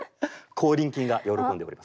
口輪筋が喜んでおります。